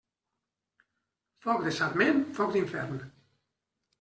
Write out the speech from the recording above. Foc de sarment, foc d'infern.